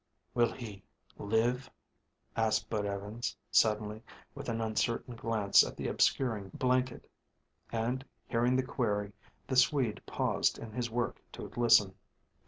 "Will he live?" asked Bud Evans, suddenly, with an uncertain glance at the obscuring blanket; and hearing the query, the Swede paused in his work to listen.